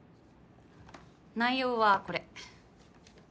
内容はこれ。